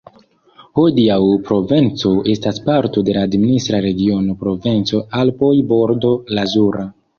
Hodiaŭ Provenco estas parto de la administra regiono Provenco-Alpoj-Bordo Lazura.